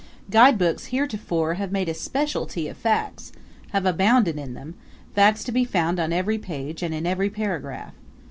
Guidebooks heretofore have made a specialty of facts have abounded in them; facts to be found on every page and in every paragraph.